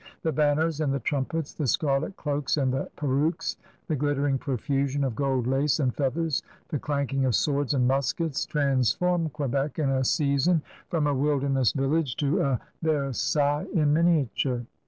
The banners and the trumpets, the scarlet cloaks and the perukes, the glittering profusion of gold lace and feathers, the clanking of swords and muskets, transformed Quebec in a season from a wilderness village to a Versailles in miniature.